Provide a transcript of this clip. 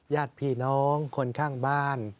ญาติพี่น้องคนข้างบ้าน